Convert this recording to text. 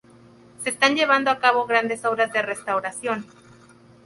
Se están llevando a cabo grandes obras de restauración.